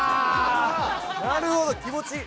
なるほど気持ちいい！